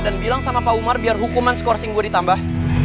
dan bilang sama pak umar biar hukuman scoursing gue ditambah